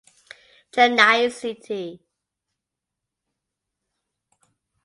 Chennai City